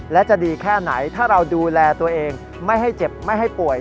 และจะดีแค่ไหนถ้าเราดูแลตัวเองไม่ให้เจ็บไม่ให้ป่วย